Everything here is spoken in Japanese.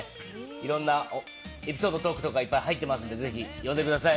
いろんなエピソードトークとか入ってますのでぜひ、読んでください。